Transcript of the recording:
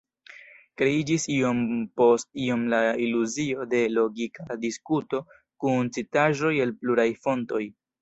Kreiĝis iom post iom la iluzio de logika diskuto kun citaĵoj el pluraj fontoj.